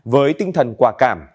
với tinh thần quả cảm